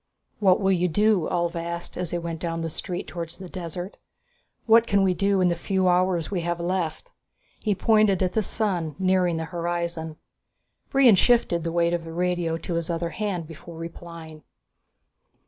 "What will you do?" Ulv asked as they went down the street towards the desert. "What can we do in the few hours we have left?" He pointed at the sun, nearing the horizon. Brion shifted the weight of the radio to his other hand before replying.